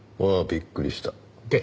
わあびっくりした。